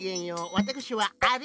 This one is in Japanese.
わたくしはアリ。